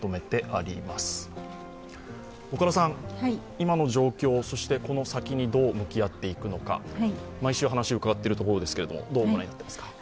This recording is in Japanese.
今の状況、そしてこの先どう向き合っていくのか、毎週話を伺っているところですが、どう御覧になりますか？